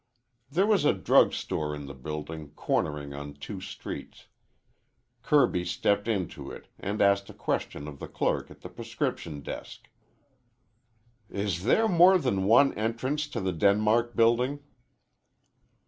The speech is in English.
There was a drug store in the building, cornering on two streets. Kirby stepped into it and asked a question of the clerk at the prescription desk. "Is there more than one entrance to the Denmark Building?"